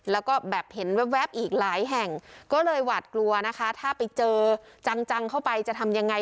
แล้วก็แบบเห็นแว๊บอีกหลายแห่งก็เลยหวาดกลัวนะคะถ้าไปเจอจังเข้าไปจะทำยังไง